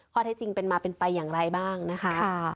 ข้อเท็จจริงเป็นมาเป็นไปอย่างไรบ้างนะคะ